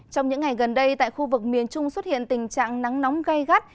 trong những ngày gần đây tại khu vực miền trung xuất hiện tình trạng nắng nóng gây gắt